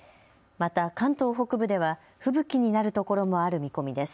また関東北部では吹雪になるところもある見込みです。